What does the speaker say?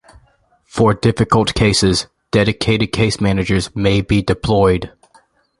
For difficult cases, dedicated case managers may be deployed.